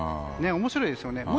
面白いですよね。